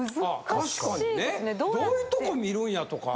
確かにね。どういうとこ見るんやとか。